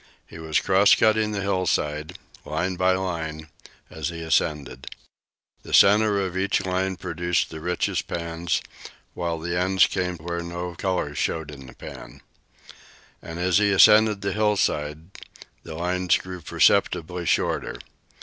He was cross cutting the hillside, line by line, as he ascended. The center of each line produced the richest pans, while the ends came where no colors showed in the pan. And as he ascended the hillside the lines grew perceptibly shorter.